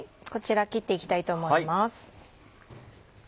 こちら切って行きたいと思います。